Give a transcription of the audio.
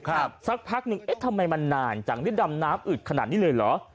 สักพักหนึ่งเอ๊ะทำไมมันนานจังฤทดำน้ำอึดขนาดนี้เลยเหรอ